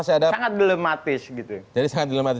sangat dilematis gitu